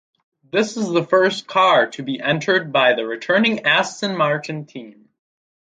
This is the first car to be entered by the returning Aston Martin team.